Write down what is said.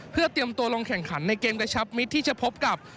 เพื่อเตรียมตัวลงแข่งขันในเกมกระชับมิตรที่จะพบกับ